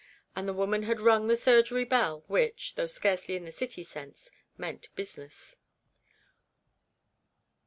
And the woman had rung the surgery bell, which (though scarcely in the City sense) meant business.